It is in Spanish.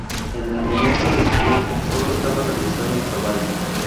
En el momento de su muerte, sólo estaba realizado el caballo.